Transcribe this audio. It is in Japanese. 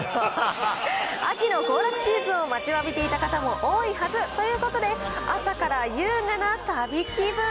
秋の行楽シーズンを待ちわびていた人も多いはずということで、朝から優雅な旅気分。